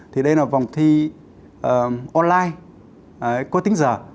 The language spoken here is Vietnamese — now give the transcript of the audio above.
thì đây là vòng thi online có tính giờ